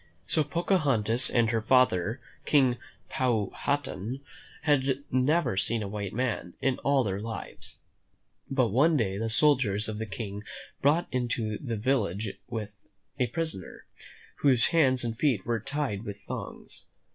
So Pocahontas and her father, King Powhatan, had never seen a white man in all their lives. But one day the soldiers of the King brought into the village a prisoner, whose hands and feet were tied with thongs.